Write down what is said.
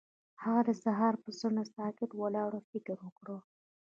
هغه د سهار پر څنډه ساکت ولاړ او فکر وکړ.